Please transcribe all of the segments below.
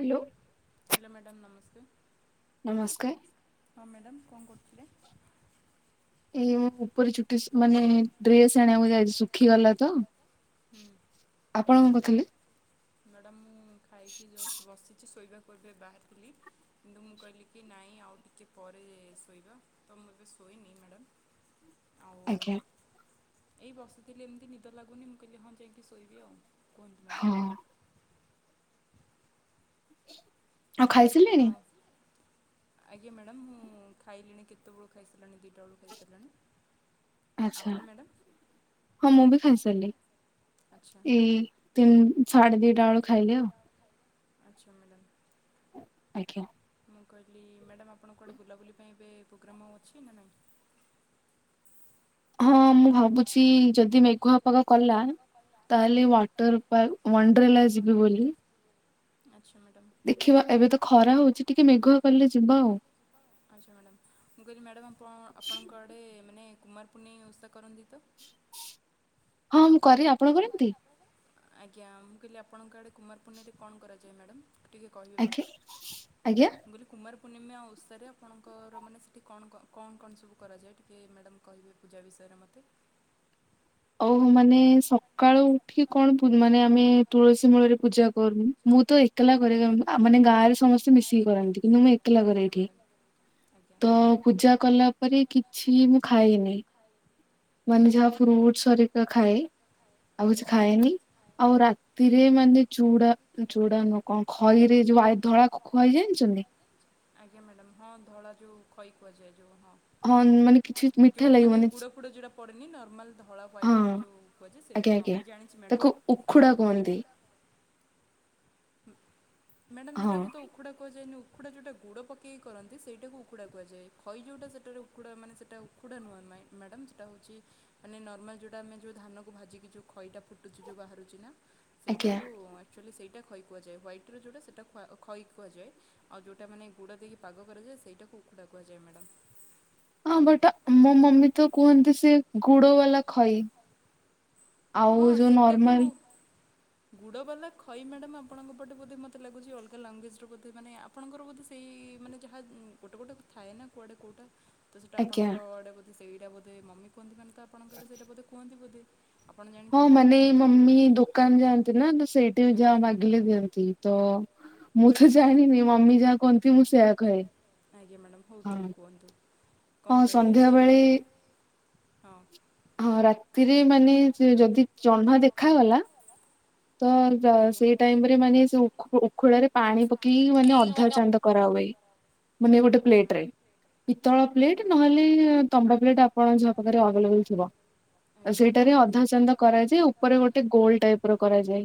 Hello. Hello madam ନମସ୍କାର। ନମସ୍କାର। ହଁ ମ୍ୟାଡ଼ମ କଣ କରୁଥିଲେ? ଏଇ ମୋ ଉପରେ ଚୁଟିସ୍ ମାନେ। ଡ୍ରେସ ଆଣିବାକୁ ଯାଇଛି ଶୁଖିଗଲା ତ? ଆପଣ କଣ କରିଥିଲେ ମ୍ୟାଡମ ମୁଁ ଖାଇକି ଜଷ୍ଟ ବସିଛି ଶୋଇବାକୁ। ଏବେ ବାହାରିଥିଲି କିନ୍ତୁ ମୁଁ କହିଲି କି ନାଇଁ ଆଉ ଟିକଏ ପରେ ଶୋଇବା ତ ମୁଁ ଏବେ ଶୋଇନି ମ୍ୟାଡ଼ମ୍। ଆଜ୍ଞା। ଏଇ ବସିଥିଲି ଏମିତି ନିଦ ଲାଗୁନି ମୁଁ କହିଲି ହଁ ଯାଇକି ଶୋଇବି ଆଉ। କୁହନ୍ତୁ ହଁ ମ୍ୟାଡ଼ମ୍। [inaudible] ଆ ମ୍ୟାଡ଼ମ ଖାଇସାରିଲେଣି ଆପଣ? ଆଜ୍ଞା ମ୍ୟାଡ଼ମ ମୁଁ ଖାଇଲିଣି କେତେବେଳୁ ଖାଇସାରିଲଣି ଦୁଇଟା ବେଳୁ ଖାଇସାରିଲାଣି। ଆଛା ଆପଣ ମ୍ୟାଡ଼ାମ୍ ହଁ ମୁଁ ବି ଖାଇସାରିଲି ଆଚ୍ଛା ଏଇ ତିନ ସାଢେ ଦିଟା ବେଳୁ ଖାଇଲି ଆଉ। ଆଛା ମ୍ୟାଡ଼ାମ୍। ଆଜ୍ଞା। ମୁଁ କହିଲି ମ୍ୟାଡ଼ାମ୍ ଆପଣଙ୍କ ଗୋଟେ ବୁଲାବୁଲି ପାଇଁ ଏବେ ପ୍ରୋଗ୍ରାମ୍ ହେଉ ଅଛି ନା ନାହିଁ। ହଁ ମୁଁ ଭାବୁଛି ଯଦି ମେଘୁଆ ପାାଗ କଲା। ତାହେଲେ ୱାଟର ପକ ୱାଣ୍ଡରେ ଲା ଯିବି ବୋଲି। ଆଚ୍ଛା ମ୍ୟାଡ଼ମ୍ ଦେଖିବା ଏବେ ତ ଖରା ହଉଛି ଟିକେ ମେଘୁଆ କଲେ ଯିବା ଆଉ ଆଚ୍ଛା ମ୍ୟାଡ଼ାମ୍ ମୁଁ କହିଲି ମ୍ୟାଡ଼ମ୍ ଆପଣ ଆପଣଙ୍କ ଆଡ଼େ ମାନେ। କୁମାର ପୁନେଇଁ ଓଷା କରନ୍ତି। ତ? ହଁ ମୁଁ କରେ ଆପଣଙ୍କ କରନ୍ତି। ଆଜ୍ଞା ମୁଁ କହିଲି ଆପଣଙ୍କ ଆଡ଼େ କୁମାରପୁର୍ଣ୍ଣିମାରେ କଣ କରାଯାଏ ମ୍ୟାଡ଼ାମ। ଟିକେ କହିବେ ଆଜ୍ଞା ମୋତେ ଆଜ୍ଞା ମୁଁ କହିଲି କୁମାରପୂ ପୂର୍ଣ୍ଣିମା ଓଷାରେ ଆପଣଙ୍କର ମାନେ ସେଇଠି କଣ କଣ କଣ ସବୁ କରାଯାଏ ଟିକିଏ ମ୍ୟାଡ଼ମ୍ କହିବେ ପୂଜା ବିଷୟରେ ମୋତେ। ଓହୋ ମାନେ ସକାଳୁ ଉଠିକି କଣ ମାନେ ଆମେ ତୁଳସୀ ମୂଳରେ ପୂଜା କରୁନୁ ମୁଁ ତ ଏ। ଏକଲା କରେ ମାନେ ଗାଁ ରେ ସମସ୍ତେ ମିଶିକି କରନ୍ତି କିନ୍ତୁ ମୁଁ ଏକଲା କରେ ଏଠି ଆଜ୍ଞା ତ ପୂଜା କଲା ତା ପରେ କିଛି ମୁଁ ଖାଇନି। ମନ୍ଝା ଆଜ୍ଞା ଫ୍ରୁଟ [unintelligible] ସରିକା ଖାଏ ଆଉ କିଛି ଖାଏନି ଆଜ୍ଞା। ଆଉ ରାତିରେ ମାନେ ଚୁଡା ଚୁଡା ନୁହଁ କଣ ଖଇରେ ଯୋଉ ଧଳା ଖଇ ଜାଣିଛନ୍ତି। ଆଜ୍ଞା ମ୍ୟାଡ଼ାମ୍ ହଁ ଧଳା ଯୋଉ ଖଇ ଖଜା। ହଁ ମାନେ କିଛି ମିଠା ମାନେ ଲାଗିବନି। ଗୁଡ଼ ଫୁଡ଼ ଯୋଉଟା ପଡ଼େନି ନର୍ମାଲ ଧଳା ହଁ ହ୍ୱଵାଇଟ୍ର ଯେଉଁ କୁହାଯାଏ ସେଇଟା ଆଜ୍ଞା ହଁ ଆଜ୍ଞା। ମୁଁ ଜାଣିଛି ମ୍ୟାଡ଼ମ୍ ତାକୁ ଉଖୁଡା କୁହନ୍ତୁ। କୁହନ୍ତି ମ୍ୟାଡାମ ହଁ ସେଟାକୁ ତ ଉକୁଡା କୁହାଯାଏନି। ଉକୁଡ଼ା ଯେଉଁଟା ଗୁଡ଼ ପକେଇ କି କରନ୍ତି ସେଇଟାକୁ ଉଖୁଡ଼ା କୁୁାୁହାଯାଏ ଖଇ ଯେଉଁଟା ସେଟାରେ ଉଖୁଡ଼ା ମାନେ ସେଟା ଉଖୁଡ଼ା ନୁହଁ ମା-ମ୍ୟାଡ଼ାମମ୍ ସେଇଟା ହେଉଛି ମାନେ ନର୍ମାଲ ଯେଉଁଟା ଆମେ ଯେଉଁ ଧାନକୁ ଭାଜିକି ଯେଉଁ ଖଇଟା ଫୁଟୁଛି ଯଉ ବାହାରୁଛି ନା। ଆଜ୍ଞା। ସେଇଟାକୁ ଆଚୁଆଲି ସେଇ। ଖଇ କୁହାଯାଏ ହ୍ୱାଇଟ୍ରରେ ଯେଉଁଟା ସେଇଟା ଖ ଖଇ କୁହାଯାଏ ଆଉ ଯେଉଁଟା ମାନେ ଗୁଡ଼ ଦେଇକି ପାଗ କରାଯାଏ ସେଇଟାକୁ ଉୁଖୁଡ଼ା କୁହାଯାଏ ମ୍ୟାଡ଼ାମ୍। ହଁ ବଟ ମୋ ମମି ତ କୁହନ୍ତି ସେ ଗୁଡ଼ବାଲା ଖଇ। ଆଉ ହଁ ଯଉ ସେଟାକୁ ନର୍ମାଲ ଗୁଡ଼ବାଲା ଖଇ ମ୍ୟାଡ଼ମ୍ ଆପଣଙ୍କ ପଟେଵଧେ ମୋତେ ଲାଗୁଛି ଅଲଗା ଲାଙ୍ଗୁଏଜର ବୋଧେ ମାନେ ଆପଣଙ୍କର ବୋଧେ ସେଇ ମାନେ ଯାହା ଗୋଟେ ଗୋଟେ ଥାଏ ନା କୁଆଡ଼େ କେଉଁଟା। ତ ସେଇଟା ଆଜ୍ଞା ଆପଣଙ୍କ ଆଡେ ସେଇଟା ବଧେ ମମି। ମୁଁ ଭାଵିଲି ତ ଆପଣଙ୍କୁ ସେତ ବୋଧ କୁହନ୍ତିବଧେ। ହଁ ମାନେ ମମି ଦୋକାନ ଯାଆନ୍ତି ନା ସେଇଠି ଯା ଆଜ୍ଞା ମାଗିଲେ ଦିଅନ୍ତି ତ। ମୁଁ ତ ଜାଣିନି ମମି ଯାହା କହନ୍ତି ମୁଁ ସେୟା କହେ ଆଜ୍ଞା ମ୍ୟାଡ଼ାମ୍ ହଉ ହଁ ତାହେଲେ କୁହନ୍ତୁ। କଣ ହଁ କହିଲେ ସନ୍ଧ୍ୟା ସେଇ ବେଳେ ହଁ ହଁ ରାତିରେ ମାନେ ସେ ଯଦି ଚହ୍ନ ଦେଖାଗଲା। ତ ଜ ଆଜ୍ଞା ସେଇ ଟାଇମରେ ମାନେ ସେ ଉ ଖୁ ଉଁ ଖୋଳରେ ପାଣି ପ କି ମାନେ ଅଧା ଚାନ୍ଦ କରା ଉଏ। ମାନେ ଗୋଟେ ଆଚ୍ଛା ପ୍ଲେଟ ରେ ପିତଳ ଆଚ୍ଛା ପ୍ଲେଟ ମ୍ୟାଡ଼ାମ୍ ନହେଲେ ତମ୍ୱା ପ୍ଲେଟ ଆପଣ ଯାହା ପାଖରେ ଆଭେଲେବଲ ଥିବ, ଆଜ୍ଞା ସେଇଟାରେ ଅଧା ଚାନ୍ଦା କରାଯାଏ ଉପରେ ଗୋଟେ ଗୋଲ ଟାଇପ ର କରାଯାଏ,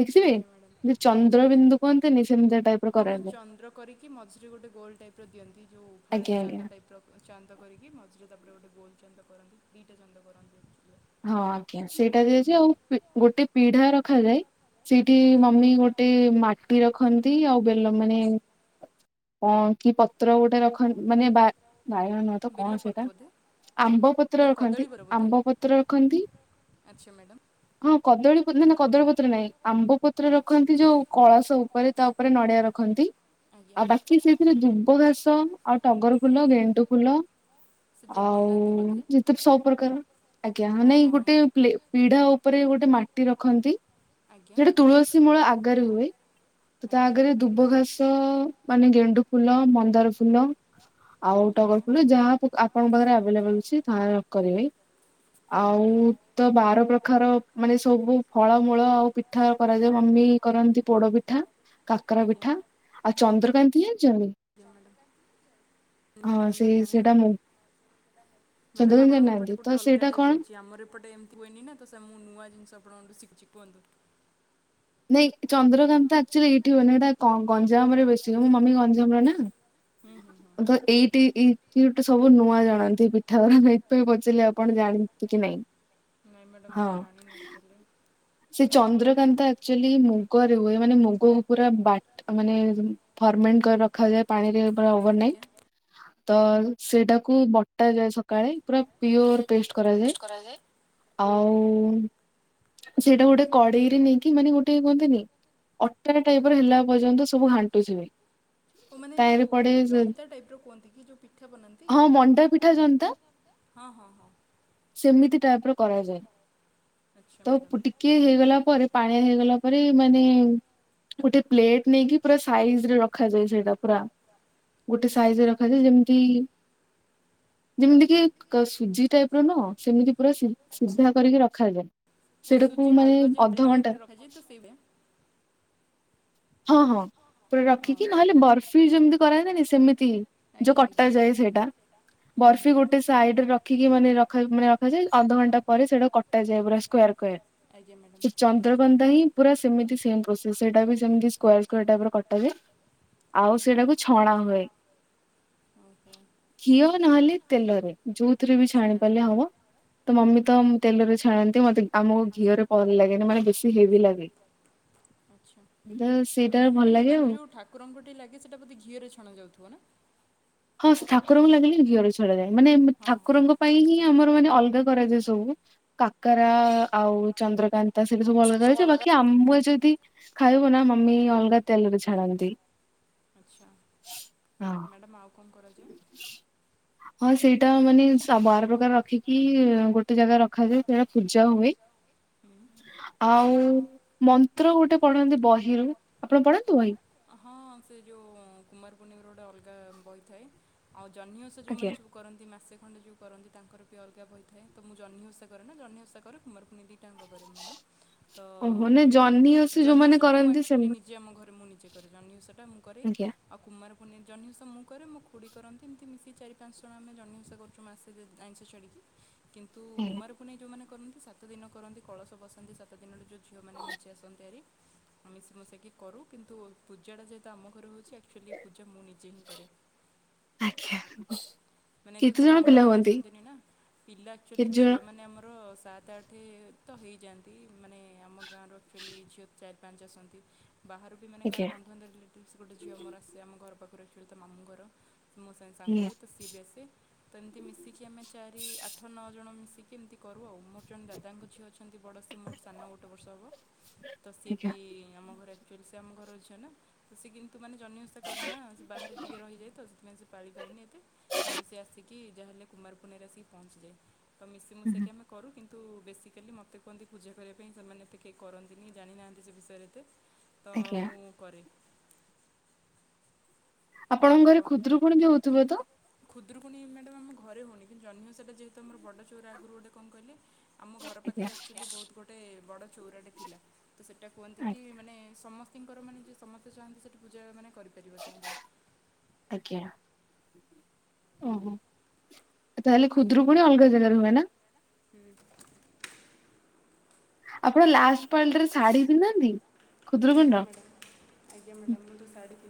ଦେଖି ଥିବେ ଆଜ୍ଞା ମ୍ୟାଡ଼ାମ୍ ଯେ ଆଜ୍ଞା ଚନ୍ଦ୍ର ଆଜ୍ଞା ବିିନ୍ଦୁ କୁହନ୍ତିନି ସେମିତି ଟାଇପ ର ହଁ ହଁ କରାଯାଏ। ର ଦିଅନ୍ତି ଯୋଉ ଫାଳେ ଆଜ୍ଞା ଆଜ୍ଞା ଚାନ୍ଦ ଟାଇପର ଚାନ୍ଦ କରିକି ମଝ ତାପରେ ଗୋଟେ ଗୋଲ ଚାନ୍ଦ କରନ୍ତି, ଦିଇଟା ଚାନ୍ଦ କରନ୍ତି। ହଁ ଆଜ୍ଞା ସେଇଟାରେ ସେଇଟା ଯେଉଁ ମୁଁ ପି ଗୋଟେ ପିଢା ରଖାଯାଏ। ସେଇଠି ଆଜ୍ଞା ମମି ଗୋଟେ ମାଟିର ଖନ୍ତି ଆଉ ବେଲ ମାନେ କଣ କି ପ ତ୍ର ଗୋଟେ ରଖ ମାନେ ବା ବାଇଗଣ ନୁହେଁ ତ କଣ ସେଇଟା ବେଲପତ୍ର ବୋଧେ ଆମ୍ବ ନା ପତ୍ର ରଖନ୍ତି କଦଳୀବର ବୋଧେ ଆମ୍ବ ପତ୍ର ରଖନ୍ତି, ଆଚ୍ଛା ମ୍ୟାଡ଼ାମ୍ ହଁ କଦଳୀ ପ ନା ନା କଦଳୀ ପତ୍ର ନାଇଁ ଆମ୍ବ ପତ୍ର ରଖନ୍ତି ଯୋଉ କଳସ ଉପରେ ତା ଉପରେ ନଡିଆ ରଖନ୍ତି। ଆଜ୍ଞା ଆଉ ବାକି ସେଇଥିରେ ଦୁବ ଘାସ ଆଉ ଟଗର ଫୁଲ, ଗେଣ୍ଡୁ ଫୁଲ ସେ ଯେଉଁ ଆଉ ବନ୍ଦାନ୍ତି ବୋଧେ ଯେତେ ସବ ପ୍ରକାରର ଆଜ୍ଞା ହଁ ନାଇଁ ଗୋଟେ ପ୍ଲେ ପୀଢା ଉପରେ ଗୋ ଗୋଟେ ମାଟି ରଖନ୍ତି। ଆଜ୍ଞା ସେଟା ତୁଳସୀ ମୂଳ ଆଗରେ ହୁଏ ତ ତା ଆଜ୍ଞା ଆଗରେ ଦୁବ ଘାସ। ମାନେ ଗେଣ୍ଡୁ ଫୁଲ, ମନ୍ଦାର ଫୁଲ ଆଉ ଆଜ୍ଞା ଟଗର ଫୁଲ ଯାହା ଆପଣଙ୍କ ପାଖରେ ଆଭେଲେବଲ ଅଛି ତାହା କରିବେ। ଆଉ ତ ବାର ପ୍ରଖାର ମାନେ ସବୁ ଫଳମୂଳ ଆଉ ପିଠା କରାଯାଏ, ମମି କରନ୍ତି, ପୋଡ ପିଠା, ଆଜ୍ଞା କାକରା ଆଜ୍ଞା ପିଠା ଆଉ ଚନ୍ଦ୍ରକାନ୍ତି ଜାଣିଚ ମ୍ୟାଡାମ ମୁଁ ସେଇ ତ ସେଇଟା ଜାଣିନି, ମୁଗ ମ୍ୟାଡାମ ଚନ୍ଦ୍ରକାନ୍ତି ଆପଣଙ୍କ ଜାଣିନାହାନ୍ତି ପଟେ ତ ଗୋଟେ ଅଲଗା। ସେଇଟା କଣ ଟାଇପ ହୋଉଛି ଆମର ଏପଟେ ଏମତି ହୁଏନି ନା ତ ସ ମୁଁ ନୂଆ ଜିନଶ ଆପଣଙ୍କ ଠୁ ଶି ଚିପନ୍ତୁ। ନାଇଁ ଚନ୍ଦ୍ରକାନ୍ତା ଆକ୍ଚୁଆଲି ଏଇଠି ହୁଏନି, ଏଇଟା କ ଗଞ୍ଜାମରେ ବେଶୀ ହ ମୋ ମମି ଗଞ୍ଜାମ ର ନା। ହୁଁ ହୁଁ ହୁଁ ତ ଏଇ ଟି ଇ। କି ଗୋଟେ ସବୁ ନୂଆ ଜାଣନ୍ତି ପିଠାଗୁରା ଏଇଥିପାଇଁ ପଚାରିଲ ଆପଣ ଜାଣନ୍ତି କି ନାଇଁ। ନାଇଁ ମ୍ୟାଡ଼ାମ୍ ମୁଁ ହଁ ତ ଜାଣିନି ଆକ୍ଚୁଆଲି। ସେ ଚନ୍ଦ୍ରକାନ୍ତା। ଆକ୍ଚୁଆଲି ମୁଗରେ ହୁଏ ମାନେ ମୁଗ ପୁରା ବାଟ ମାନେ ଫରମେଣ୍ଟ କରି ରଖାଯାଏ ପାଣିରେ ପୁରା ଓଭର ଆଜ୍ଞା। ନାଇଟ। ତ ସେଇଟାକୁ ବଟାଯାଏ ସକାଳେ ପୁରା ପିଓର। ପେଷ୍ଟ କରାଯାଏ ହୁଁ। ଆଉ। ସେଇଟା ଗୋଟେ କଡେଇରେ ନେଇ ଇ ମାନେ ଗୋଟେ କୁହନ୍ତିନି ଅଟା ଟାଇପର ହେଲା ପର୍ଯ୍ୟନ୍ତ ସବୁ ଘାଣ୍ଟୁ ଥିବେ। ଓ ମାନେ ଯୋଉ ତାରେ ପଡେ ଜନ୍ତା ଟାଇପ୍ ର କୁହନ୍ତି କି ଯୋଉ ପିଠା ବନାନ୍ତି? ହଁ ମଣ୍ଡା ପିଠା ଜନ୍ତା ହଁ ହଁ ହଁ। ସେମିତି ଟାଇପ ର କରାଯାଏ ଆଚ୍ଛା ମ୍ୟାଡ଼ାମ୍ ତ ଟିକେ ହେଇଗଲା ପରେ। ପାଣି ହେଇଗଲା ପରେ ମାନେ ଗୋଟେ ପ୍ଲେଟ୍ ନେଇିକି। ପୁରା ସାଇଜରେ ରଖାଯାଏ ସେଇଟା ପୁରା ଗୋଟେ ଆଚ୍ଛା। ସାଇଜରେ ରଖାଯାଏ ଯେମିତି। ଯେମିତି କି ସୁଜି ଟାଇପ ର ନ ସେମିତି ପୁରା ସି ସିଧା କରିକି ରଖାଯାଏ। ସେଟାକୁ ମାନେ ଅଧଘଣ୍ଟା। ଯାଏ ତ ସେଇଭାଲିଆ। ହଁ ହଁ। ପୁରା ହଁ। ରଖିକି ନହେଲେ ବର୍ଫି ଯେମିତି କରନ୍ତିନୀ ସେମିତି ଯୋଉ ଆଜ୍ଞା ଆଜ୍ଞା। କଟାଯାଏ ସେଇଟା ହୁଁ ହୁଁ। ବର୍ଫି ଗୋଟେ ସାଇଡରେ ରଖିକି ମାନେ ରଖା ମାନେ ରଖାଯାଏ ଅଧଘଣ୍ଟା ପରେ ସେଟା କଟାଯାଏ ପୁରା ସ୍କୋୟାର କାର ଆଜ୍ଞା ମ୍ୟାଡ଼ାମ୍ ଚନ୍ଦ୍ରକନ୍ଧା ହିଁ ପୁରା ସେମିତି ସେମ ପ୍ରୋସେସ ସେଇଟା ବି ସେମିତି। [unintelligible] କଟାଯାଏ ଆଉ ଆଜ୍ଞା ସେଇଟାକୁ ଛଣା ହୁଏ ଓହୋ ଘିଅ ନହେଲେ ତେଲରେ ଯୋଉଥିରେ ବି ଆଚ୍ଛା ଛାଣି ମ୍ୟାଡ଼ାମ୍ ପାରିଲେ ହବ ତ ମମି ତ ତେଲରେ ଛାଣନ୍ତି ମତେ ଆମକୁ ଘିଅରେ ଲାଗେନି ମାନେ ବେଶୀ ହେବି ଲାଗେ। ତ ସେଇଟାରେ ଭଲ ଲାଗେ। ସେଟ ଆଉ। ଯୋଉ ଠାକୁରଙ୍କ ଟେ ଲାଗେ ସେଟା ଘିଅରେ ଛଣା ଯାଉଥିବ ନା। ହଁ ଠାକୁରଙ୍କୁ ଲାଗିଲେ ଘିଅରେ ଛଣାଯାଏ। ମାନେ ହଁ ହଁ। ଠାକୁରଙ୍କ ପାଇଁ ହିଁ ଆମର ମାନେ ଅଲଗା। କରାଯାଏ ସବୁ କାକରା ଆଉ ଚନ୍ଦ୍ରକାନ୍ତ। ତା ସେ ବି ସବୁ ଅଲଗା ହେଛି ବାକ ଆମଁ ଏ ଯଦି। ଯି ଖାଇବୁ ନା ମମି ଅଲଗା ତେଲରେ ଛାଣନ୍ତି। ଆଛା ହଁ। [inaudible] ମ୍ୟାଡ଼ାମ ଆଉ କଣ କରାଯାଏ। [inaudible] ହଁ ସେଇଟା ମାନେ ସୁ ବାର ପ୍ରକାର ରଖିକି ଗୋଟେ ଜାଗାରେ ରଖାଯାଏ। ସେଟା ପୂଜା ହୁଏ। ହୁଁ। [inaudible] ଆଉ ମନ୍ତ୍ର ଗୋଟେ ପଢନ୍ତି ବହିରୁ ଆପଣ ପଢନ୍ତି ବହି। ହଁ ସେ ଯେଉଁ କୁମାର ପୂର୍ଣ୍ଣିମାର ଗୋଟେ ଅଲଗା ବହି ଥାଏ। ଆଉ ଜନ୍ହୀ ଓଷା ଯୋଉ ମାନେ ଆଜ୍ଞା। ସବୁ କରନ୍ତି। ମାସେ ଖଣ୍ଡେ ଯଉ କରନ୍ତି। ତାଙ୍କର ବି ଅଲଗା ବହି ଥାଏ। ତ ମୁଁ ଜହ୍ନି ଓଷା କରେ ନା ଜହ୍ନି ଓଷା କରେ। କୁମାର ପୂର୍ଣ୍ଣିମା ବି ଦି ଟା ଯାଙ୍କ କରେ ମ୍ୟାଡ଼ାମ। ତ ଓହୋ ନାଇଁ ଆମର ଜହ୍ନି ଓଷା ଜହ୍ନି ଯୋଉମାନେ ଓଷାଟା ମୁଁ କରନ୍ତି ଆକଚୁଆଲି ସେମା ନିଜେ ଆମ ଘରେ ନିଜେ କରେ। ଜହ୍ନି ଓଷାଟା କରେ ଆଜ୍ଞା ଆଉ କୁମା ଜହ୍ନି ଓଷା ମୁଁ କରେ ମୋ ଖୁଡି କରନ୍ତି। ଏମିତି ମିଶି ଚାରି ପାଞ୍ଚ ଜଣ ଆମେ ଜ ଜହ୍ନି ଓଷା କରୁଚୁ ମାସେରେ ଆଇଁସ ଛାଡିକି। କିନ୍ତୁ ଆଜ୍ଞା କୁମାର ପୁନେଇ ଯୋଉ ମାନେ କରନ୍ତି ସାତ ଦିନ କରନ୍ତି କଳସ ବସାନ୍ତି। ସାତ ଦିନରେ ଯଉ ଝିଅ ମାନେ ମେଞ୍ଚେ ଆସନ୍ତି ହାରି। ଆମେ ମିଶି ମାସିକି କରୁ। କିନ୍ତୁ ପୂଜା ଟା ଯେହେତୁ ଆମ ଘରେ ହଉଛି। ଆକଚୁଆଲି ପୂଜା ମୁଁ ନିଜେ ହିଁ କରେ। [inaudible] ଆଜ୍ଞା ମାନେ ଏଥେ କେତେ ତ ଜଣ ବ୍ରାହ୍ମଣ ପିଲା ମାନେ ହୁଅନ୍ତି? ଆସନ୍ତିନି ନା। ପିଲା ଆଚୁଆଲି କେତେ ଜଣ ଝିଅ ମାନେ ଆମର ସାତ ଆଠ ତ ହେଇଯାଆନ୍ତି ମାନେ ଆମ ଗାଁର ଆକଚାଲି ଝିଅ ଚାରି ପାଞ୍ଚ ଆସନ୍ତି। ବାହାରୁ ବି ମାନେ କାହାର ଆଜ୍ଞା ବନ୍ଧୁ ବାନ୍ଧବ ରିଲେଟିଭସ ଗୋଟେ ଝିଅ ମୋର ଆସିଚି। ଆମ ଘର ପାଖରେ। ତା ମାମୁଘର। ମୋ ସାଙ୍ଗେ ସାଙ୍ଗ ଆଜ୍ଞା ହୁଏତ ସେ ତ ଏମିତି ମିଶିକି ଆମେ ଚାରି ଆଠ ନଅ ଜଣ ମିଶିକି ଏମିତି କରୁ ଆଉ ମୋର ଜଣେ ଦାଦାଙ୍କ ଝିଅ ଅଛି। ବଡ଼ ସେ ମୋର ସାନ ଗୋଟେ ବର୍ଷ ହେବ। ତ ସିଏ ବି ଆଜ୍ଞା ଆମ ଘର ଆକଚୁଆଲି ଆମ ଘରର ଝି ହେଲା ସେ କେ ତୁ ମାନ ଜହ୍ନି ଓସା କରେ ନା ସେ ବାହାରେ ଟିକେ ରହିଯାଏ ତ। ସେଥିପାଇଁ ସେ ପାଳିପାରନି ଏତେ। ଆସିକି ଯାହେଲେ କୁମାର ପୂର୍ଣ୍ଣିମା ରେ ଆସିକି ପହଞ୍ଚିଯାଏ। ତ ମିଶି ମୁସକି ହୁଁ, ଆମେ କରୁ। କିନ୍ ତ ବେସିକାଲି ମୋତେ କୁହନ୍ତି। ପୂଜା କରିବା ପାଇଁ ସେମାନେ ଏତେ କେହି କରନ୍ତିନି। ଜାଣିନାହାନ୍ତି ସେ ବିଷୟରେ ଏତେ। ତ ଆଗ୳୲। ମୁଁ କରେ ଆପଣଙ୍କ ଘରେ ଖୁଦରୁ କଣ ବି ହଉଥିବ ତ। ଖୁଦୁରୁକୁଣି ମ୍ୟାଡ଼ମ୍ମ ଘରେ ହଉନି। କିନ୍ତୁ ଜହ୍ନି ଓସା ଟା ଯେହେତୁ ଆମର ବଡ଼ଚଉର ଆଗରୁ ଗୋଟେ କଣ କହିଲେ। ଆମ ଘର ଆଜ୍ଞା ପାଖରେ ଆକଚୁଆଲି ବହୁତ ବ ଟେ ବଡ଼ ଚଉରାଟେ ଥିଲା ତ ସେଟା କୁହନ୍ତି ଆ- କି ମାନେ ସମ ବ୍ୟତିଙ୍କରାନେ ଯିଏ ସମସ୍ତେ ଚାହାଁନ୍ତି ସେଇଠି ପୂଜା ମାନେ କରିପାରିବ ଚାହିଁଲେ। ଆଜ୍ଞା ଓହୋ ତାହେଲେ ଖୁଦରୁ ପୁଣି ଅଲଗା ଜାଗାରେ ହୁଏ ନା। ହୁଁ। ଆପଣ ଲାଷ୍ଟ ପାରେ ଶାଢୀ ପିନ୍ଧନ୍ତି। ଖୁଦୁରୁକୁଣୀର? ଆଜ୍ଞା ମ୍ୟାଡ଼ାମ୍ ଆଜ୍ଞା ମ୍ୟାଡ଼ାମ୍ ମୁଁ ତ ଶାଢୀ।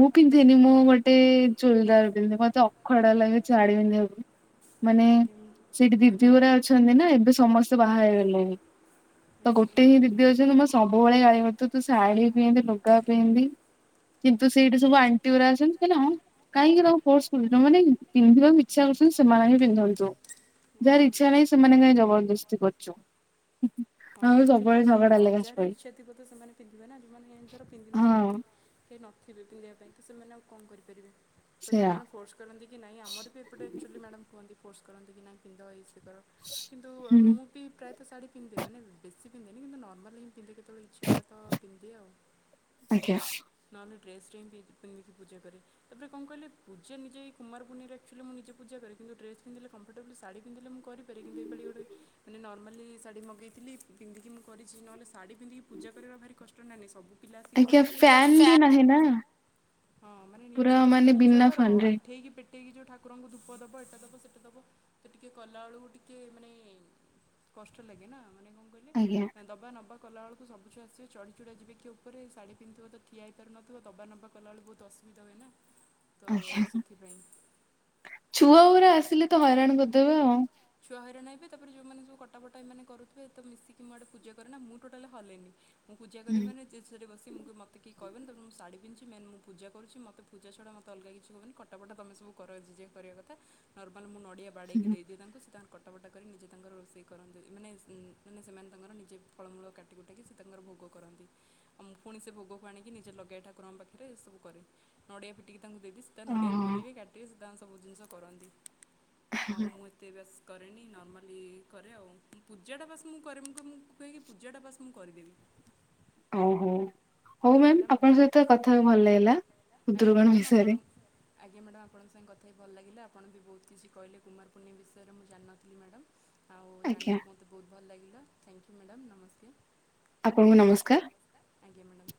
ମୁଁ ପିନ୍ଧେନି ମୁଁ ଗୋଟେ ଚୁଡିଦାର ପିନ୍ଧି ମତେ ଅଖଡା ଲାଗେ ଶାଢ଼ୀ ପିନ୍ଧିବାକୁ ମାନେ ଆଜ୍ଞା ସେଠି ଦିପ ଦିରା ଅ ଅଛନ୍ତି ନା ଏବେ ସମସ୍ତେ ବାହା ହେଇଗଲେଣି। ତ ଗୋଟେ ହିଁ ଦିଦି ଅଛନ୍ତି ନା ସେ ସବୁବେଳେ ଗାଇ ହଉଥିବ ତୁ ଶାଢୀ ପିନ୍ଧୁ ଲୁଗା ପିନ୍ଧି। କିନ୍ତୁ ସେଇଠି ସବୁ ଆଣ୍ଟି ଗୁଡା ଅଛନ୍ତି କ କାହିଁକି ଲ ଫୋର୍ସ କରୁ ମାନେ ପିନ୍ଧିବାକୁ ଇଛା କରୁଛନ୍ତି ସେମାନେ ହି ପିନ୍ଧନ୍ତୁ ଯାହାର ଆଚ୍ଛା ଇଚଛା ନାହିଁ ସେମାନେ କା ଜବରଦସ୍ତି କରୁଛୁ। ଆଚ୍ଛା ହଁ ଆଉ ଆକ୍ଚୁଆଲି ସବୁବେଳେ ଝଗଡା ହଁ ଲାଗେ ଯାହାର ଆସିପାରି ଇଚ୍ଛା ଥିବ ତ ସେମାନେ ପିନ୍ଧିବେ ନା ଯେଉମାନେ ଏିଥର ପିନ୍ଧି ନ ଜାଣି ହଁ। ଥିବେ। ସେ ନଥିବେ ପିନ୍ଧିବା ପାଇଁ ତ ସେମାନେ ଆଉ କ ଣ କରିପାରିବେ। ତ ଜଣେ ସେୟା ଜଣ ଫୋର୍ସ କରନ୍ତି କି ନାଇଁ ଆମର ବି ଏପଟେ ଆକ୍ଚୁଆଲି ମ୍ୟାଡାମ କୁହନ୍ତି। ଫୋର୍ସ କରନ୍ତି କି ନାହିଁ ପିନ୍ଧ ଏ ସେ। କିନ୍ତୁ ହୁଁ ମୁଁ ବି ପ୍ରାୟତଃ ଶାଢ଼ୀ ପିନ୍ଧିଦେବୀ ନାଇକି। ସେମିତି ପିନ୍ଧେନି କିନ୍ତୁ ନର୍ମାଲି ହିଁ ପିନ୍ଧିକି କେତେବେଳେ ଇଛା ହେଲା ତ ପିନ୍ଧିଦିଏ ଆଉ। ଆଜ୍ଞା ନହେଲେ ଡ୍ରେସ୍ ହି ପିନ୍ଧିକି ପୂଜା କରେ ତାପରେ କଣ କହିଲେ ପୂଜା କୁମାର ପୁର୍ଣ୍ଣମିରେ ଆକଚୁଆଲି ମୁଁ ନିଜେ ପୂଜା କରେ କିନ୍ତୁ ଡ୍ରେସ୍ ମୁ ପିନ୍ଧିଲେ କର୍ଣ୍ଣଟେବୁଲ ଶାଢି ପିନ୍ଧିଲେ ମୁଁ କରିପାରେ କିନ୍ତୁ ଏପାଳି ଗୋଟେ ନର୍ମାଲି ଶାଢ଼ୀ ମଗେଇଥିଲି ପନ୍ଧିକି ମୁଁ କରିଛି ନହେଲେ। ଶାଢ଼ୀ ପିନ୍ଧିକି ପୂଜା କରିବା ଟା ଭାରି କ ନା ସବୁ। ପିଲା ଦି ଆଜ୍ଞା ବର୍ଷେ। ଫ୍ୟାନ ବି ନାହିଁ ନା। ହଁ ମାନେ ପୁରା ନିଜେ ତମେ ମାନେ ପୂଜା ବିନା କର ଫ୍ୟାନ ରେ ଆଣ୍ଠେଇକି। ପେଟେଇକି ଯେଉଁ ଠାକୁରଙ୍କୁ ଧୂପ ଦେବ ଏତା ଦବ ସେଟା ଦେବ ତ ଟିକି କଲାବେଳକୁ ଟିକେ ମାନେ କଷ୍ଟ ଲାଗେ ନା। ସେ କଣ କହିଲେ ଆଜ୍ଞା। ଦବା ନବା। କଲାବେଳକୁ ସବୁ ଛୁଆ ଆସିବେ ଚଡି ଚୁଡା ଯିବେ କିଏ ଉପରେ ଶାଢୀ ପିନ୍ଧଥିବ ତ ଠିଆହେଲି ପାରୁ ନଥିବ ଦବା ନବା। କଲା ବେଳେ ବହୁତ ଅସୁବିଧା ହୁଏ ନା। ତ ଆ୍ଞା ସେଥିପାଇଁ ଛୁଆ ଆଉ ଉରା ଆସିଲେ ତ ହଇରାଣ କରିଦେବେ ଆଉ ଛୁଆ ହଇରାଣ ତାପରେ ଝିଅମାନେ ସବୁ କଟା ପଟା ଏମାନେ କରୁଥିବେ। ତ ମିଶିକି ମୁଁ ଆଡେ ପୂଜା କରେ ନା ମୁଁ ଟୋଟାଲି ହଲେନି। ମୁଁ ପୂଜା ହୁଁ କରିବି ଯେ ସେଠରେ ବସିବି ମୁଁ କହିବି ମୋତେ କେହି କହିବନି ତମେ ମୋ ଶାଢୀ। ମେନ୍ ମୁଁ ପଜା କରୁଛି। ମତେ ପୂଜା ଛଡ଼ା ମତେ ଅଲଗା କିଛି କହିବନି କଟାପଟା ତୁମେ ସବୁ କର ଯେ ଯା କରିବା କଥା ମତେ ଖାଲି ନର୍ମାଲ ମୁଁ ନ ନଡ଼ିଆ ବାଡ଼େଇିକି ହୁଁ। ଦେଇଦିଏ ତାଙ୍କୁ ସେ ତାଙ୍କର କଟା କଟ ବଟା କରି ନିଜେ ତାଙ୍କର ରୋଷେଇ କରନ୍ତି। ମାନେ ମାନେ ସେମାନେ ତାଙ୍କର ନିଜେ ଫଳମୂଳ କାଟିି କୁଟାକି ସେ ତାଙ୍କର ଭୋଗ କରନ୍ତି। ଆଉ ମୁଁ ଫୁଣି ସେ ଭୋଗକୁ ଆଣିକି ନିଜେ ଲଗାଇ ଠାକୁରଙ୍କ ପାଖ ରେ ଏସବୁ କରେ ନଡ଼ିଆ ପିଟିକି ତାଙ୍କୁ ଦେବି ସେ ତା ଓହୋ ନଡିଆ କୋରିବେ କାଟିବେ ସେ ତାଙ୍କ ସବୁ ଜିନିଷ କରନ୍ତି। ଆଉ ମୁଁ ଏତେ ବେସ୍ କରେନି ନର୍ମାଲି କରେ ଆଉ ପୂଜାଟା ବାସ୍ ମୁଁ କରେ ମୁଁ କ ମୁଁ କୁହେକି ପୂଜାଟା ବାସ୍ ମୁଁ କରିଦେବି। ଓ ହୋ। ହଉ ମ୍ୟାମ ଆପଣଙ୍କ ସହିତ କଥା ହେବାକୁ ଭଲ ଲାଗିଲା ଆଜ୍ଞା ଖୁଦୁରୁକୁଣୀ ମ୍ୟାଡ଼ାମ୍ ଆପଣ ବିଷୟରେ। ଆଜ୍ଞା ମ୍ୟାଡ଼ାମ୍ ଆପଙ୍କ ସାଙ୍ଗରେ କଥା ହେଇକି ଭଲ ଲାଗିଲା ଆପଣ ବି ବହୁତ କିଛି କହିଲେ କୁମାର ପୂର୍ଣ୍ଣିମା ବିଷୟରେ ମୁଁ ଜାନିନଥିଲି ମ୍ୟାଡ଼ାମ୍। ଆଉ ଆଜ୍ଞା ଜାଣିକି ମତେ ବହୁତ ଭଲ ଲାଗି ଥ୍ୟାଙ୍କ ୟୁ ମ୍ୟାଡ଼ାମ ନମସ୍କାର। ଆପଣଙ୍କୁ ନମସ୍କାର। ଆଜ୍ଞା ମ୍ୟାଡାମ୍।